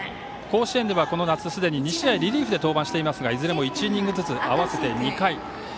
甲子園ではこの夏すでに２試合リリーフで登板していますがいずれも１イニングずつ合わせて２回。